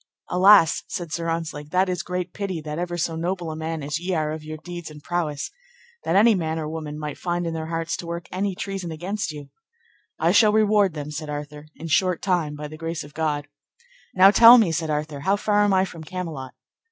Alas, said Sir Ontzlake, that is great pity that ever so noble a man as ye are of your deeds and prowess, that any man or woman might find in their hearts to work any treason against you. I shall reward them, said Arthur, in short time, by the grace of God. Now, tell me, said Arthur, how far am I from Camelot?